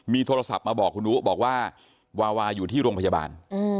มีโทรศัพท์มาบอกคุณอุบอกว่าวาวาอยู่ที่โรงพยาบาล